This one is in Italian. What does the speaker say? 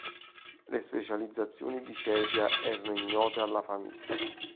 Le specializzazioni di Cervia erano ignote alla famiglia.